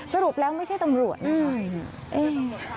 สรุปแล้วไม่ใช่ตำรวจนะคะ